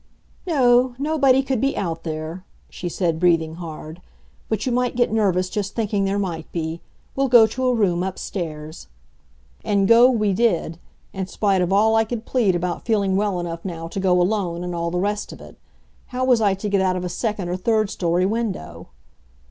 "No, nobody could be out there," she said, breathing hard, "but you might get nervous just thinking there might be. We'll go to a room upstairs." And go we did, in spite of all I could plead about feeling well enough now to go alone and all the rest of it. How was I to get out of a second or third story window?